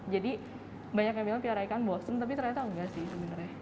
jadi banyak yang bilang piara ikan bosen tapi ternyata enggak sih sebenarnya